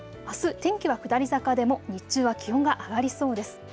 あす天気は下り坂でも日中は気温が上がりそうです。